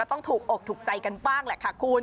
ต้องถูกอกถูกใจกันบ้างแหละค่ะคุณ